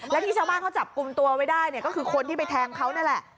และที่ชาวบ้านเขาจับกลุ่มตัวไว้ได้เนี่ยก็คือคนที่ไปแทงเขานั่นแหละ